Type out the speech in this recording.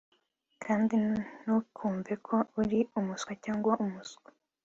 Kandi ntukumve ko uri umuswa cyangwa umuswa